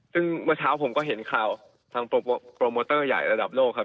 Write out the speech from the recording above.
ซึ่งเมื่อเช้าผมก็เห็นข่าวทางโปรโมเตอร์ใหญ่ระดับโลกครับ